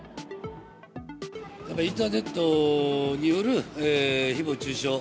インターネットによるひぼう中傷。